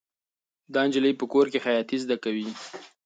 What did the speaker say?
دا نجلۍ په کور کې خیاطي زده کوي.